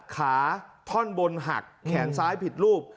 ขาท่อนบนหักแขนซ้ายผิดรูป